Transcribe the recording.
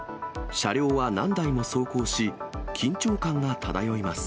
車両は何台も走行し、緊張感が漂います。